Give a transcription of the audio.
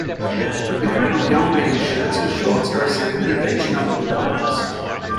A group of young men in shirts and shorts are assembling a bench and other wooden items.